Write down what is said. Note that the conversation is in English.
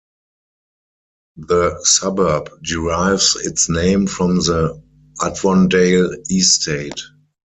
The suburb derives its name from the "Avondale Estate".